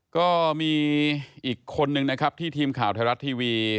ก็มีอีกคนนึงนะครับที่ทีมข่าวไทยรัฐทีวี